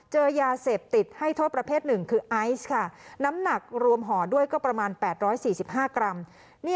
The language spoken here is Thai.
เจอยาเสพติดให้โทษประเภทหนึ่งคือไอซ์ค่ะน้ำหนักรวมห่อด้วยก็ประมาณ๘๔๕กรัม